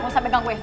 gak usah pegang gue